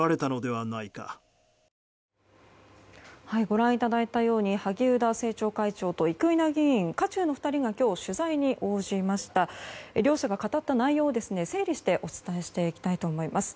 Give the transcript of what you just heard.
ご覧いただいたように萩生田政調会長と生稲議員、渦中の２人が今日、取材に応じました。両者が語った内容を整理してお伝えしていきたいと思います。